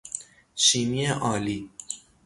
شیمی آلی